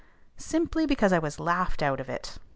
Simply because I was laughed out of it.